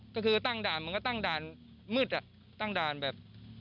ก็คือตั้งด่านมันก็ตั้งด่านมืดตั้งด่านแบบ